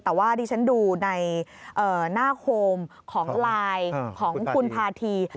แต่ว่าดิฉันดูในหน้าโฮมของไลน์ของคุณพาธี